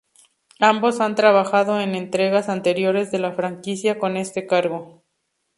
Ambos han trabajado en entregas anteriores de la franquicia con este cargo.